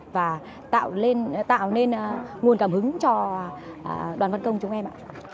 và tạo nên nguồn cảm hứng cho đoàn văn công chúng em ạ